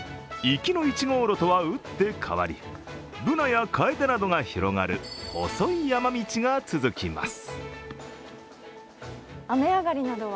行きの１号路とは打って変わり、ぶなやかえでなどが広がる細い山道が続きます。